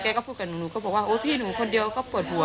ก็พูดกับหนูก็บอกว่าโอ้พี่หนูคนเดียวก็ปวดหัว